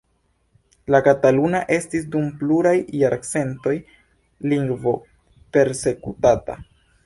La kataluna estis dum pluraj jarcentoj lingvo persekutata.